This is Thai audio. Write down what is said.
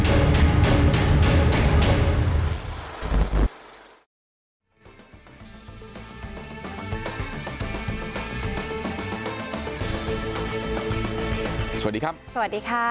สวัสดีครับสวัสดีค่ะ